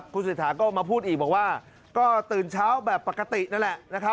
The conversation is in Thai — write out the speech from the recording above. คุณเศรษฐาก็มาพูดอีกบอกว่าก็ตื่นเช้าแบบปกตินั่นแหละนะครับ